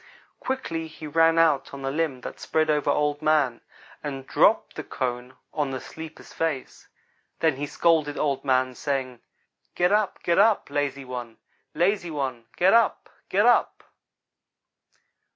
Quickly he ran out on the limb that spread over Old man, and dropped the cone on the sleeper's face. Then he scolded Old man, saying: 'Get up get up lazy one lazy one get up get up.'